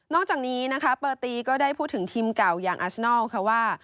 อกจากนี้นะคะเบอร์ตีก็ได้พูดถึงทีมเก่าอย่างอัชนอลค่ะว่า